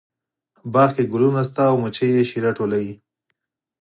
باغ کې ګلونه شته او مچۍ یې شیره ټولوي